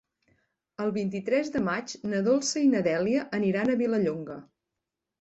El vint-i-tres de maig na Dolça i na Dèlia aniran a Vilallonga.